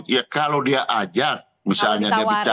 ya kalau dia ajak misalnya dia bicara